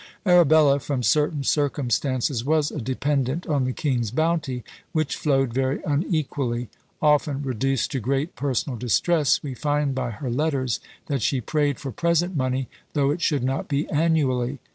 Arabella from certain circumstances was a dependent on the king's bounty, which flowed very unequally; often reduced to great personal distress, we find by her letters that "she prayed for present money, though it should not be annually."